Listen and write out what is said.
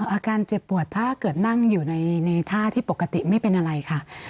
อาการเจ็บปวดถ้าเกิดนั่งอยู่ในท่าที่ปกติไม่เป็นอะไรค่ะ